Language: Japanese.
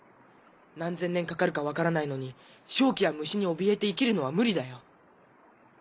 何千年かかるか分からないのに瘴気や蟲におびえて生きるのは無理だよ。